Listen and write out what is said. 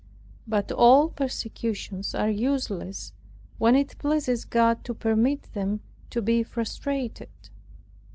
But all precautions are useless, when it pleases God to permit them to be frustrated.